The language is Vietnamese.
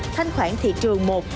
thanh khoản thị trường một